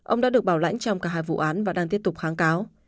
ông đã được bảo lãnh trong cả hai vụ án và đang tiếp tục kháng cáo